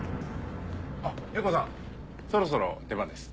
あっＥＩＫＯさんそろそろ出番です。